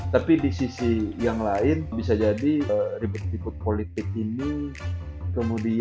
tapi di sisi yang lain bisa jadi ribet ribet politik ini kemudian juga akan sedikit memperbaiki